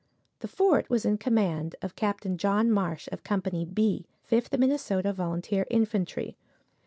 The fort was in command of Capt. John Marsh, of Company "B," Fifth Minnesota Volunteer Infantry.